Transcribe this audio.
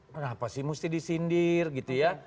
kenapa sih mesti disindir gitu ya